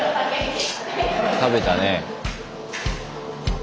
食べたね。